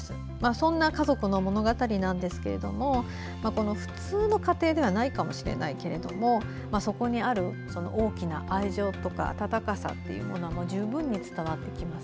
そんな家族の物語なんですが普通の家庭ではないかもしれないけれどもそこにある大きな愛情とか温かさみたいなのは十分に伝わってきます。